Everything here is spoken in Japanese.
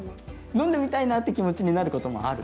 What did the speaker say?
飲んでみたいなって気持ちになったこともある？